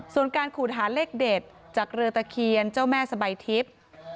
ส่วนการขูดหาเลขเด็ดจากเรือตะเคียนเจ้าแม่สบายทิพย์